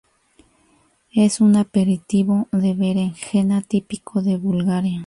Es un aperitivo de berenjena típico de Bulgaria.